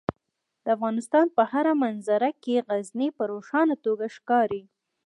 د افغانستان په هره منظره کې غزني په روښانه توګه ښکاري.